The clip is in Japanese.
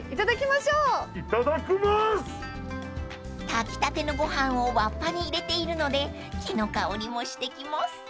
［炊きたてのご飯をわっぱに入れているので木の香りもしてきます］